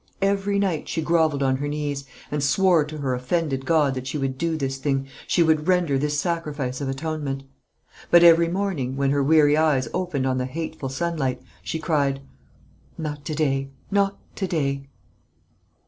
Every night she grovelled on her knees, and swore to her offended God that she would do this thing, she would render this sacrifice of atonement; but every morning, when her weary eyes opened on the hateful sunlight, she cried, "Not to day not to day."